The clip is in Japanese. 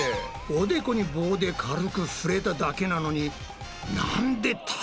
おでこに棒で軽く触れただけなのになんで立てないんだ？